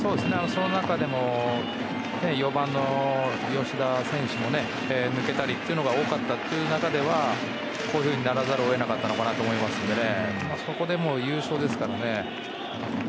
その中でも４番の吉田選手も抜けたりということが多かった中ではこういうふうにならざるを得なかったのかなと思いますのでそこで優勝ですからね。